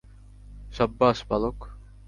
সাব্বাস, বালক।